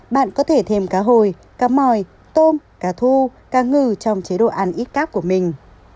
bạn có thể thêm cá hồi cá mòi tôm cá thu cá ngừ trong chế độ ăn ít cáp của mình